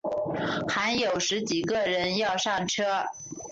还有十几个人要上车